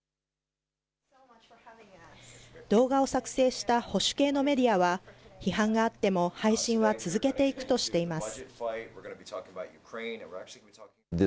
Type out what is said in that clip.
動画を作成した保守系のメディアは、批判があっても、配信は続けていくとしています。